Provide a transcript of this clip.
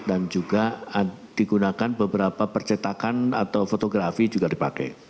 dan juga digunakan beberapa percetakan atau fotografi juga dipakai